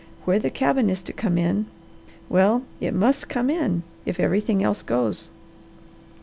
Where the cabin is to come in well it must come if everything else goes.